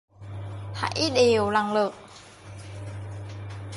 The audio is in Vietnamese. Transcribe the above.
Thảy đều lần lượt